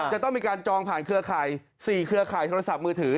จะต้องมีการจองหลังที่เป็น๔เครื่องขายธนธนศัพท์มือถือ